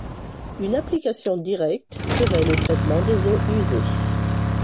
Une application directe serait le traitement des eaux usées.